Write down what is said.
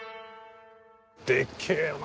でけえな。